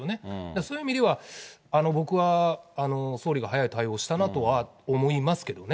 そういう意味では、僕は総理が早い対応をしたなとは思いますけどね。